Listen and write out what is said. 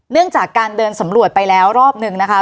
เรื่องจากการเดินสำรวจไปแล้วรอบนึงนะคะ